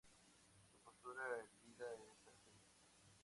Su postura erguida es característica.